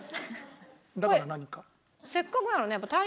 だから何か？